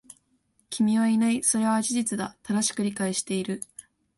君はいない。それは事実だ。正しく理解している。